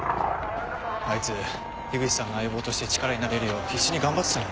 あいつ口さんの相棒として力になれるよう必死に頑張ってたのに。